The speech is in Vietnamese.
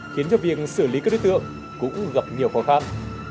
khiến cho việc xử lý các đối tượng cũng gặp nhiều khó khăn